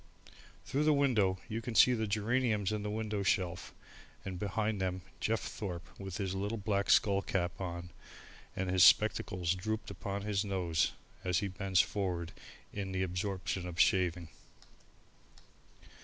Through the window you can see the geraniums in the window shelf and behind them Jeff Thorpe with his little black scull cap on and his spectacles drooped upon his nose as he bends forward in the absorption of shaving.